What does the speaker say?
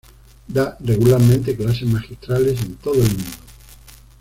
Da regularmente clases magistrales en todo el mundo.